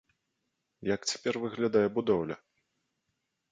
Як цяпер выглядае будоўля?